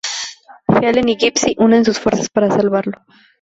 Helen y Gypsy unen sus fuerzas para salvarlo.